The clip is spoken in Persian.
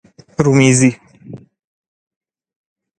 رومیزی